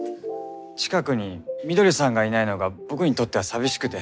近くに翠さんがいないのが僕にとっては寂しくて。